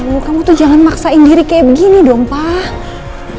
ibu kamu tuh jangan maksain diri kayak begini dong pak